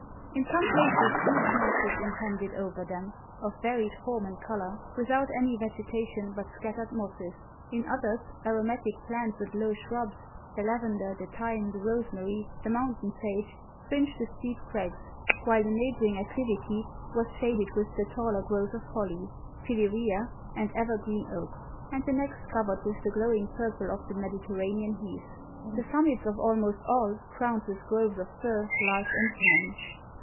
In some places huge masses impended over them, of varied form and colour, without any vegetation but scattered mosses; in others, aromatic plants and low shrubs; the lavender, the thyme, the rosemary, the mountain sage, fringed the steep craggs, while a neighbouring aclivity was shaded with the taller growth of holly, phillyrea, and ever green oak; and the next covered with the glowing purple of the Mediterranean heath. The summits of almost all, crowned with groves of fir, larch, and pine.